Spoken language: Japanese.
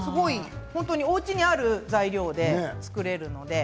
おうちにある材料で作れるので。